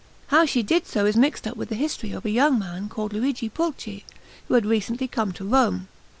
How she did so is mixed up with the history of a young man called Luigi Pulci, who had recently come to Rome.